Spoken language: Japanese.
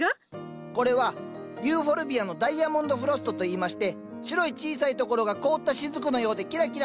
これはユーフォルビアのダイアモンド・フロストといいまして白い小さいところが凍った滴のようでキラキラ。